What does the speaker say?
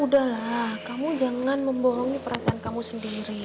udah lah kamu jangan membohongin perasaan kamu sendiri